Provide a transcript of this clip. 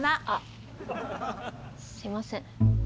あっすいません。